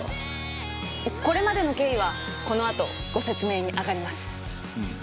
これまでの経緯はこのあとご説明に上がります。